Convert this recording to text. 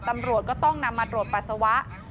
ตำรวจก็ต้องนำมาตรวจปัสสาวะ